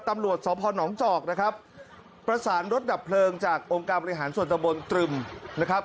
ตำรวจสพนจอกนะครับประสานรถดับเพลิงจากองค์การบริหารส่วนตะบนตรึมนะครับ